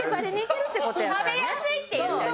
「食べやすい」って言ってた。